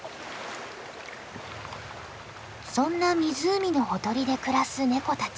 そんな湖のほとりで暮らすネコたち。